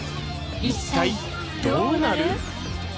一体どうなる？